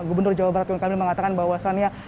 gubernur jawa barat tuan kamil mengatakan bahwasannya